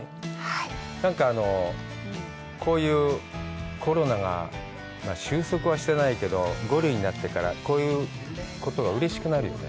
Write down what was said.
なんか、こういうコロナが収束はしてないけど、５類になってから、うれしくなるよね。